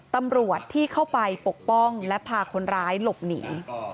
ตำรวจที่เข้าไปปกป้องและพาคนร้ายหลบหนี